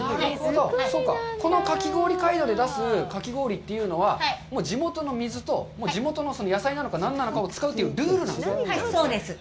そうか、このかき氷街道で出す、かき氷というのは、地元の水と、地元の野菜なのか何なのかを使うというルールなんですね。